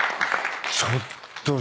ちょっと。